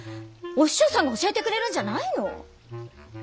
お師匠さんが教えてくれるんじゃないの？